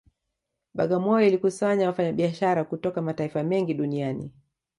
Bagamoyo ilikusanya wafanyabiashara kutoka mataifa mengi duniani